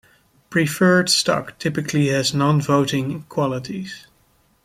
Preferred stock typically has non-voting qualities.